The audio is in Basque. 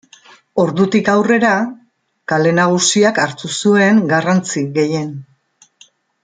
Ordutik aurrera, Kale Nagusiak hartu zuen garrantzi gehien.